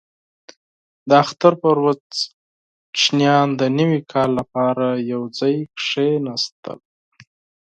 • د اختر په ورځ ماشومان د نوي کال لپاره یو ځای کښېناستل.